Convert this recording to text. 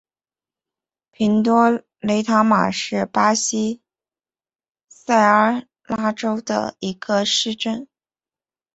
平多雷塔马是巴西塞阿拉州的一个市镇。